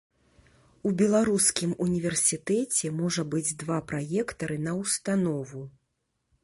У беларускім універсітэце можа быць два праектары на ўстанову.